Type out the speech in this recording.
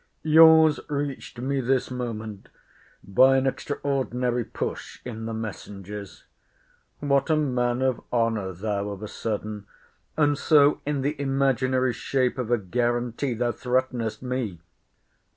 Your's reached me this moment, by an extraordinary push in the messengers. What a man of honour thou of a sudden!—— And so, in the imaginary shape of a guarantee, thou threatenest me!